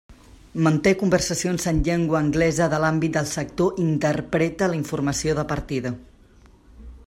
Manté conversacions en llengua anglesa de l'àmbit del sector i interpreta la informació de partida.